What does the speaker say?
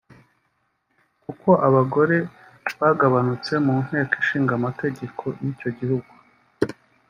kuko abagore bagabanutse mu Nteko Ishinga Amategeko y’icyo gihugu